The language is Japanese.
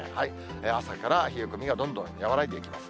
朝から冷え込みがどんどん和らいでいきます。